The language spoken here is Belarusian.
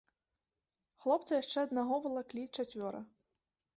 Хлопца яшчэ аднаго валаклі чацвёра.